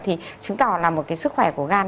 thì chứng tỏ là một cái sức khỏe của gan